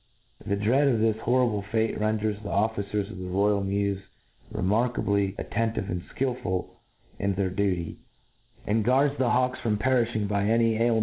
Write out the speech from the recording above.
The dread of this horrible fate renders the officers of the royal mews remarkably attentive and Ikilful in their duty, and guards the hawks from perifhing by a py ailm.